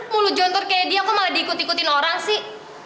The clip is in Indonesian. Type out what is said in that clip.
mulut jontor kayak dia kok malah diikuti ikutin orang sih